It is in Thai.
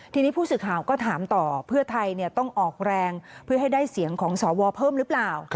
ทีนี้ผู้สื่อข่าวก็ถามต่อเพื่อไทยต้องออกแรงเพื่อให้ได้เสียงของสวเพิ่มหรือเปล่า